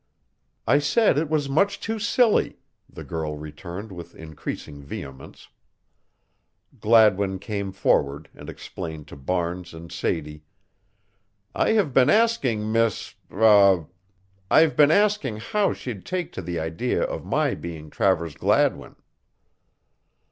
"I said it was much too silly," the girl returned with increasing vehemence. Gladwin came forward and explained to Barnes and Sadie: "I have been asking Miss er I've been asking how she'd take to the idea of my being Travers Gladwin."